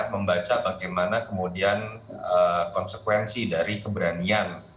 membaca bagaimana kemudian konsekuensi dari keberanian